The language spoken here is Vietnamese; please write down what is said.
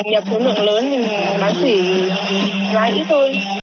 mình nhập số lượng lớn bán tr new york thái